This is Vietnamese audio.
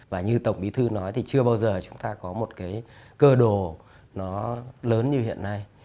và như tổng bí thư nói thì chưa bao giờ chúng ta có một cái cơ đồ nó lớn như hiện nay